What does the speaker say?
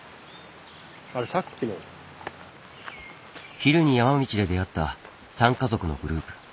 昼に山道で出会った３家族のグループ。